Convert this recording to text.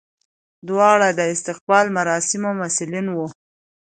دواړه د استقبال مراسمو مسولین وو.